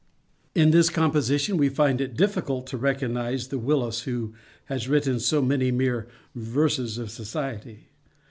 In this composition we find it difficult to recognize the Willis who has written so many mere "verses of society."